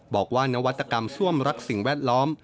บอกว่านวัตกรรมซ่วมรักสิ่งแวดล้อม